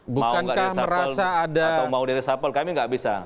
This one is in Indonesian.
mau nggak diresapel atau mau diresapel kami nggak bisa